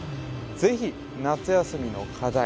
ぜひ夏休みの課題